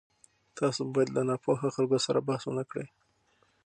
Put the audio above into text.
تاسو باید له ناپوهه خلکو سره بحث ونه کړئ.